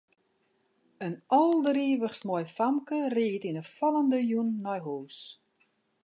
In alderivichst moai famke ried yn 'e fallende jûn nei hûs.